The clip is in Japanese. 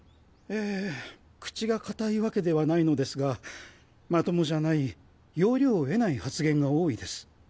ええ口が堅いわけではないのですがまともじゃない要領を得ない発言が多いです。